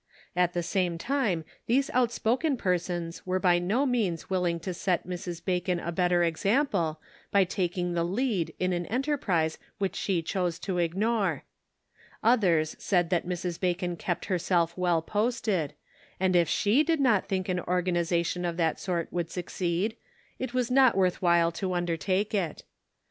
At the same time these outspoken persons were by no means willing to set Mrs. Bacon a better example by taking the lead in an enterprise which she chose to ignore. Others said that Mrs. Bacon kept herself well posted, and if she did not think an organization of that sort would succeed, it was not worth while to un dertake it.